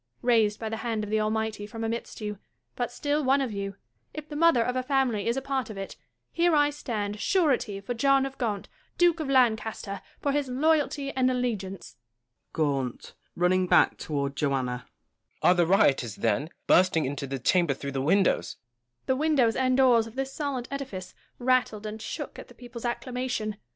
Raised by the hand of the Almighty from amidst you, but still one of you, if the mother of a family is a part of it, here I stand surety for John of Gaunt, Duke of Lan caster, for his loyalty and allegiance. Gaunt (running back toward Joanna). Are the rioters, then, bursting into the chamber through the windows 1 Joanna. The windows and doors of this solid edifice rattled and shook at the people's acclamation.